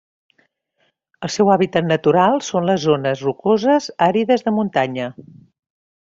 El seu hàbitat natural són les zones rocoses àrides de muntanya.